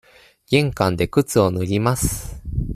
玄関で靴を脱ぎます。